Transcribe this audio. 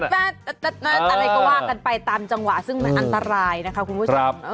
อะไรก็ว่ากันไปตามจังหวะซึ่งมันอันตรายนะคะคุณผู้ชม